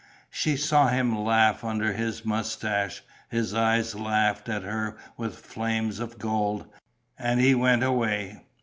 She saw him laugh under his moustache; his eyes laughed at her with flames of gold; and he went away.